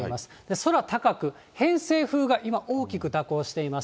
空高く偏西風が今、大きく蛇行しています。